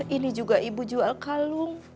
ini juga ibu jual kalung